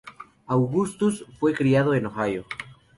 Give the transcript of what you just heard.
Augustus fue criado en Ohio.